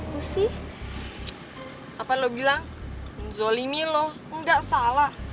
kamu tuh aneh kamu kok malah ngezolimin aku